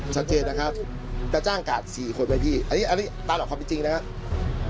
ชัดเจนนะครับจะจ้างกัด๔คนไว้ที่ตามหลอกความจริงนะครับ